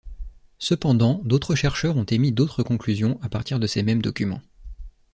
Cependant, d'autres chercheurs ont émis d'autres conclusions à partir de ces mêmes documents.